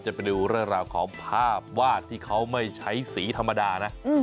ไปดูเรื่องราวของภาพวาดที่เขาไม่ใช้สีธรรมดานะ